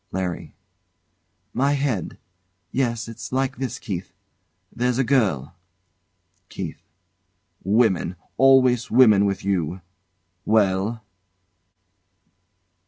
LARRY. My head! Yes! It's like this, Keith there's a girl KEITH. Women! Always women, with you! Well?